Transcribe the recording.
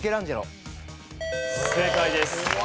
正解です。